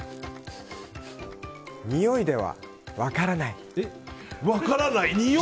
においでは分からない。